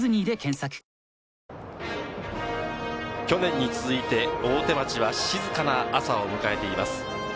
去年に続いて大手町は静かな朝を迎えています。